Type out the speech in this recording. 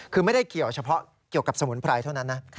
คือไม่ได้เกี่ยวเฉพาะเกี่ยวกับสมุนไพรเท่านั้นนะ